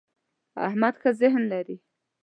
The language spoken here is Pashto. احمد ښه ذهن لري.